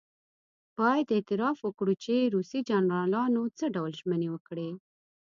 باید اعتراف وکړو چې روسي جنرالانو څه ډول ژمنې وکړې.